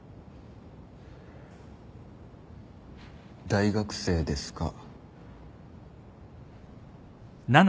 大学生ですか？